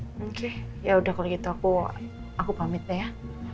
oke ya udah kalau gitu aku pamit deh ya